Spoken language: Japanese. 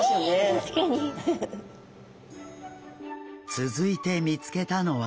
続いて見つけたのは。